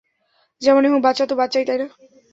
যেমনই হোক, বাচ্চা তো বাচ্চাই, তাই না?